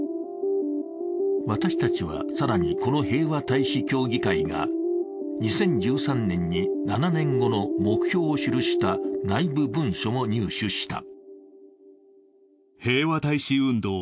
私たちは更にこの平和大使協議会が２０１３年に７年後の目標を記した内部文書を入手した。